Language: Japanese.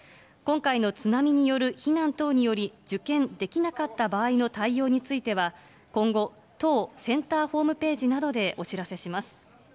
今回の津波による避難等により受験できなかった場合の対応については、今後、当センターホームページなどでお知らせします。